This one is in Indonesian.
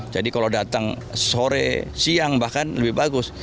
jadi kalau datang sore siang bahkan lebih bagus